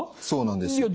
そうなんです。